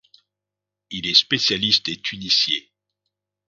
Il est spécialiste des tuniciers.